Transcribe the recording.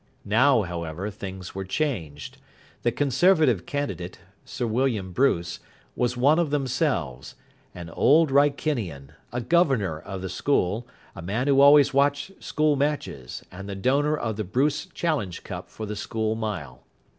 Now, however, things were changed. The Conservative candidate, Sir William Bruce, was one of themselves an Old Wrykinian, a governor of the school, a man who always watched school matches, and the donor of the Bruce Challenge Cup for the school mile.